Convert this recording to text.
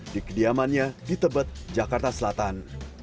di kediamannya di tebet jakarta selatan